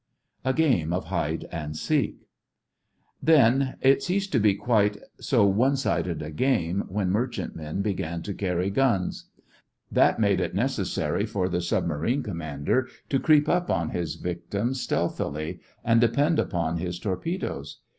A GAME OF HIDE AND SEEK Then, it ceased to be quite so one sided a game when merchantmen began to carry guns. That made it necessary for the submarine commander to creep up on his victims stealthily, and depend upon his torpedoes.